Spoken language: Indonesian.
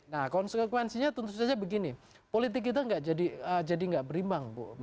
nah konsekuensinya tentu saja begini politik itu tidak jadi berimbang